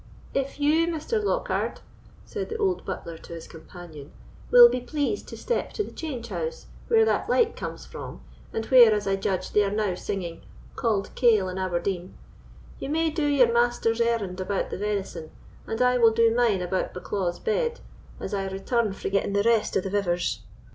"If you, Mr. Lockhard," said the old butler to his companion, "will be pleased to step to the change house where that light comes from, and where, as I judge, they are now singing 'Cauld Kail in Aberdeen,' ye may do your master's errand about the venison, and I will do mine about Bucklaw's bed, as I return frae getting the rest of the vivers.